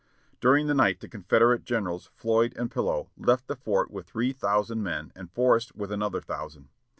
During the night the Confederate Generals Floyd and Pillow left the fort with three thousand men and Forrest with another thousand.